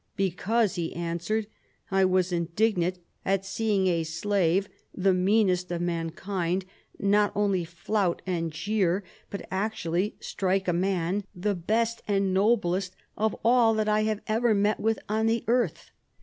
" Because," he answered, "I was indignant at seeing a slave, the meanest of mankind, not only flout and jeer, but actually strike a man, the best and noblest of ad that I have ever met with on the earth."